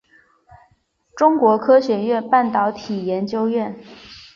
中国科学院半导体研究所。